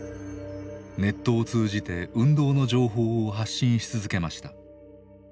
ネットを通じて運動の情報を発信し続けました。